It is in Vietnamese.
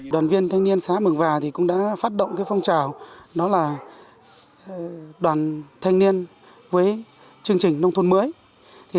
đoàn viên thanh niên xã mường và cũng đã phát động phong trào đoàn thanh niên với chương trình nông thuần mới